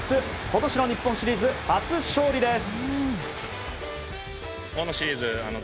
今年の日本シリーズ初勝利です。